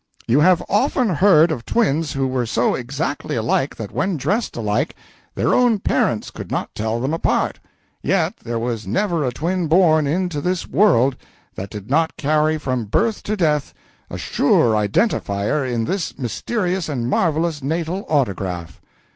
] You have often heard of twins who were so exactly alike that when dressed alike their own parents could not tell them apart. Yet there was never a twin born into this world that did not carry from birth to death a sure identifier in this mysterious and marvelous natal autograph.